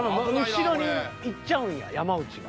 後ろにいっちゃうんや山内が。